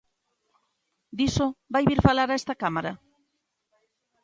¿Diso vai vir falar a esta Cámara?